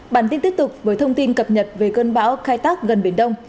bản tin tiếp tục với thông tin cập nhật về cơn bão kai tak gần biển đông